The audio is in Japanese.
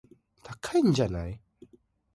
高いんじゃない